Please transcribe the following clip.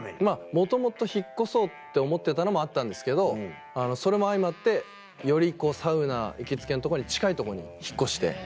もともと引っ越そうって思ってたのもあったんですけどそれも相まってよりサウナ行きつけのとこに近いとこに引っ越して。